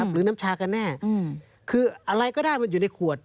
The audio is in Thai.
หรือน้ำชากันแน่คืออะไรก็ได้มันอยู่ในขวด